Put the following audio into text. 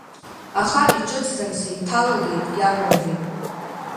Аха иҿыцӡан сеиҭалагеит, иамоузеи?